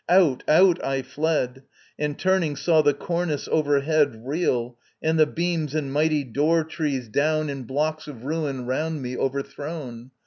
Out, out I fled, And, turning, saw the cornice overhead Reel, and the beams and mighty door trees down In blocks of ruin round me overthrown.